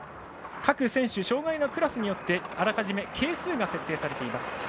各選手、障がいのクラスによってあらかじめ係数が設定されています。